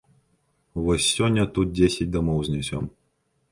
Вось сёння тут дзесяць дамоў знясем.